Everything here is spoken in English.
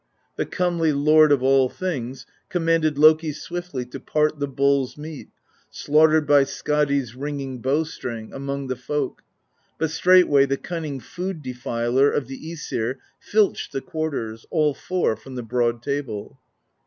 The comely Lord of All Things Commanded Loki swiftly To part the bull's meat, slaughtered By Skadi's ringing bow string. Among the folk, but straightway The cunning food defiler Of the vEsir filched the quarters, All four, from the broad table.